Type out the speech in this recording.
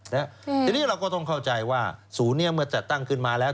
ทีนี้เราก็ต้องเข้าใจว่าศูนย์นี้เมื่อจัดตั้งขึ้นมาแล้ว